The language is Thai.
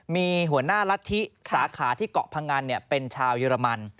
มีหัวหน้ารัฐธิสาขาที่เกาะพังอันเป็นชาวเยอรมัน